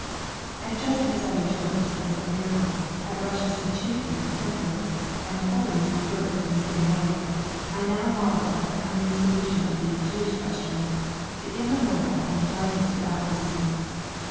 And just as I rejoiced as at miracles, at Russia's achievement of temperance, and Poland's rebirth in the same way, I now marvel at the coming solution of the "Jewish question," the immemorial and darkest of alogisms.